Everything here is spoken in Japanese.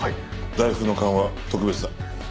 大福の勘は特別だ。